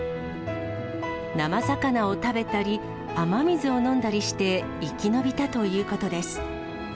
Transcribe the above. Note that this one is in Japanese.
生魚を食べたり、雨水を飲んだりして、生き延びたということです。